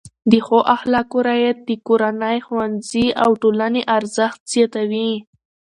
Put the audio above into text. د ښو اخلاقو رعایت د کورنۍ، ښوونځي او ټولنې ارزښت زیاتوي.